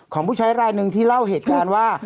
ของผู้ใช้รายหนึ่งที่เล่าเหตุการณ์ว่า